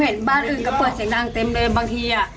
เปิดเพลงเสียงดังแต่ว่าผมเห็นบ้านอื่นก็เปิดเสียงดังเต็มเลยบางทีอ่ะ